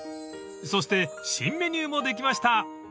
［そして新メニューもできました］